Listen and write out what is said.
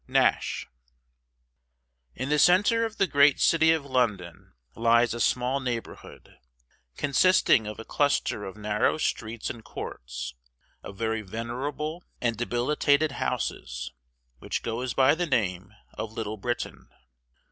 NASH. IN the centre of the great City of London lies a small neighborhood, consisting of a cluster of narrow streets and courts, of very venerable and debilitated houses, which goes by the name of LITTLE BRITAIN.